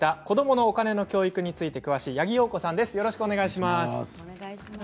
子どものお金の教育について詳しい、八木陽子さんです。